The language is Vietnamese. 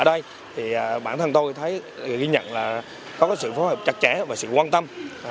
ở đây bản thân tôi thấy ghi nhận là có sự phối hợp chặt chẽ và sự quan tâm